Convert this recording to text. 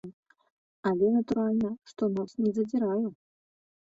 Але, натуральна, што нос не задзіраю.